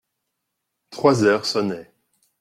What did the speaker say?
Trois heures sonnaient.